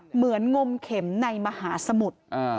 เหมือนงมเข็มในมหาสมุด